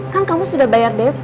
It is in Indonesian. kan kamu sudah bayar dp